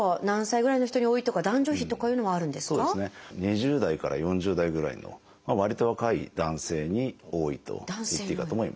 ２０代から４０代ぐらいのわりと若い男性に多いといっていいかと思います。